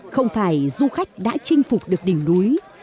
không phải du khách đã chinh phục được đỉnh núi